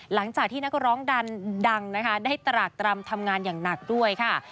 หลังจากที่นักร้องดันดังนะคะได้ตรากตรำทำงานอย่างหนักด้วยค่ะ